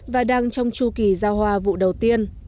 và đang trong chu kỳ giao hoa vụ đầu tiên